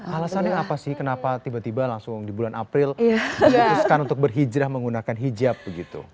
alasannya apa sih kenapa tiba tiba langsung di bulan april memutuskan untuk berhijrah menggunakan hijab begitu